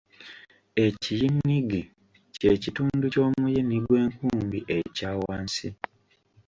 Ekiyiniggi kye kitundu ky'omuyini gw'enkumbi ekya wansi.